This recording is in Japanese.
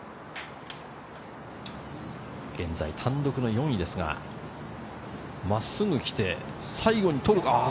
現在単独の４位ですが、真っすぐ来て最後に取るか？